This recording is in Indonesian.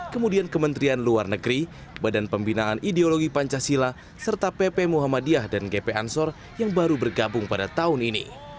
kemudian kementerian luar negeri badan pembinaan ideologi pancasila serta pp muhammadiyah dan gp ansor yang baru bergabung pada tahun ini